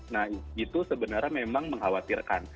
nah itu sebenarnya memang mengkhawatirkan